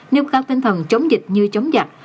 nâng cao tinh thần chống dịch như chống giặc